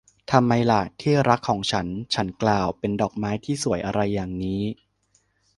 ทำไมล่ะ ที่รักของฉัน ฉันกล่าว เป็นดอกไม้ที่สวยอะไรอย่างนี้